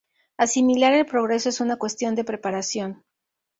Asimilar el progreso es una cuestión de preparación.